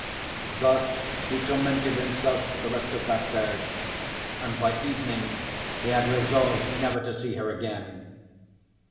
Thus he tormented himself for the rest of that day, and by evening he had resolved never to see her again.